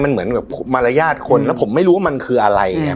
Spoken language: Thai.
มันเหมือนกับมารยาทคนแล้วผมไม่รู้ว่ามันคืออะไรเนี่ย